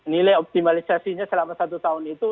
nilai optimalisasinya selama satu tahun itu